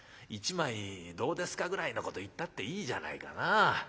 『１枚どうですか？』ぐらいのこと言ったっていいじゃないかな。